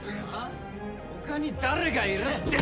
他に誰がいるって。